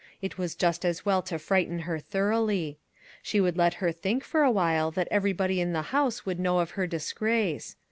It was just as well to frighten her thoroughly. She would let her think for awhile that everybody in the house would know of her disgrace.